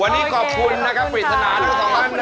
วันนี้ขอบคุณนะคะปริศนานางสาวรัมมิดาสุฟิทธิ์ค่ะขอบคุณค่ะ